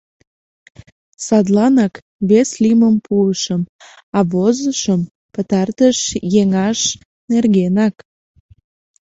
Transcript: Садланак вес лӱмым пуышым, а возышым пытартыш еҥаш нергенак.